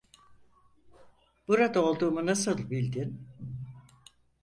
Burada olduğumu nasıl bildin?